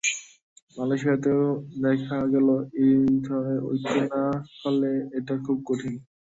মালয়েশিয়াতেও দেখা গেল এই ধরনের ঐক্য না হলে এটা খুব কঠিন।